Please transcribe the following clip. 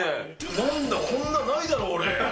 なんだ、こんなないだろ、俺。